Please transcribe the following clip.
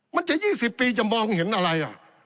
จะ๒๐ปีจะมองเห็นอะไร